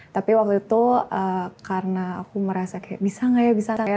tapi waktu itu karena aku merasa kayak bisa gak ya bisa kak ya